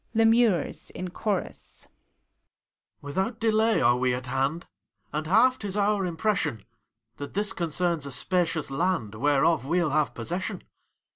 LEMURES {in Chorus), Without delay are we at hand. And half 't is our impression That this concerns a spacious land. Whereof we^l have possession.